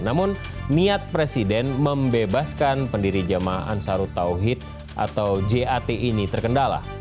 namun niat presiden membebaskan pendiri jamaah ansarut tauhid atau jat ini terkendala